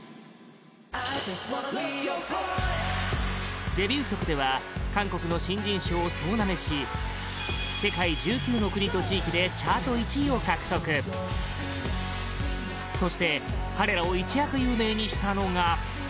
「Ｉｊｕｓｔｗａｎｎａｂｅｙｏｕｒｂｏｙ」デビュー曲では韓国の新人賞を総なめし世界１９の国と地域でチャート１位を獲得そして、彼らを一躍有名にしたのが